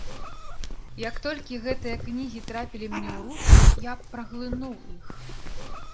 Як толькі гэтыя кнігі трапілі мне ў рукі, я праглынуў іх.